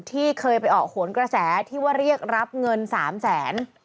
ที่เคยไปออกโหนกระแสที่ว่าเรียกรับเงิน๓แสน